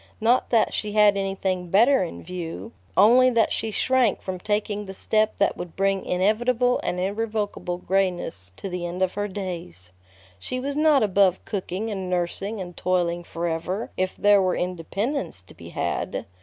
Not that she had anything better in view, only that she shrank from taking the step that would bring inevitable and irrevocable grayness to the end of her days. She was not above cooking and nursing and toiling forever if there were independence to be had.